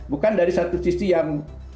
bukan dari satu sisi yang